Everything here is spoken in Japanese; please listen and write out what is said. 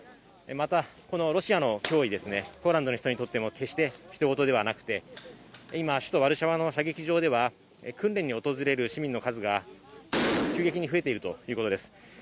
また、ロシアの脅威はポーランドの人にとっても決してひと事ではなくて、今、首都ワルシャワの射撃場では訓練に訪れる市民の数が急激に増えているということです。